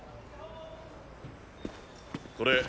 これ。